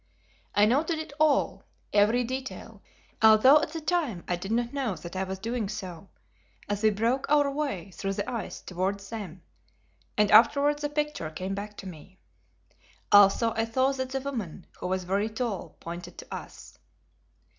I noted it all, every detail, although at the time I did not know that I was doing so, as we broke our way through the ice towards them and afterwards the picture came back to me. Also I saw that the woman, who was very tall, pointed to us.